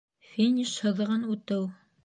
Финиш һыҙығын үтеү